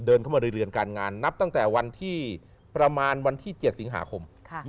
เข้ามาในเรือนการงานนับตั้งแต่วันที่ประมาณวันที่๗สิงหาคม